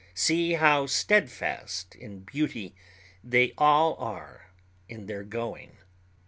See how steadfast in beauty they all are in their going.